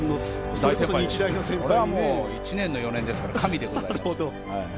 それはもう１年の４年ですから神でございます。